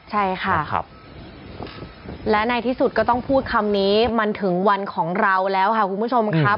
ใช่ค่ะและในที่สุดก็ต้องพูดคำนี้มันถึงวันของเราแล้วค่ะคุณผู้ชมครับ